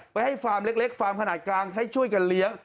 ไปให้ฟาร์มเล็กฟาร์มขนาดกลางให้ช่วยกันเลี้ยง